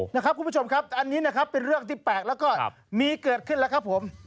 นะครับคุณผู้ชมครับอันนี้นะครับเป็นเรื่องที่แปลกแล้วก็มีเกิดขึ้นแล้วครับผม